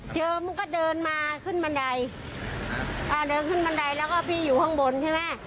มันก็เดินมาขึ้นบันไดอ่าเดินขึ้นบันไดแล้วก็พี่อยู่ข้างบนใช่ไหม